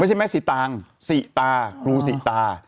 ไม่ใช่แม่สิตางสิตาครูสิตา